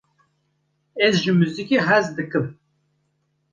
Ez jî ji muzîkê hez dikim.